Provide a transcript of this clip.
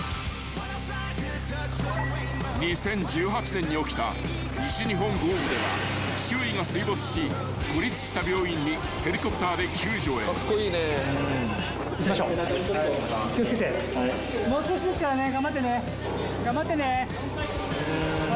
［２０１８年に起きた西日本豪雨では周囲が水没し孤立した病院にヘリコプターで救助へ］頑張ってね。